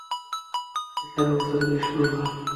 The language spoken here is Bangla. এখানে সারা বছর গ্রীষ্মকাল।